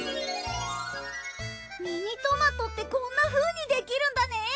ミニトマトってこんなふうにできるんだね。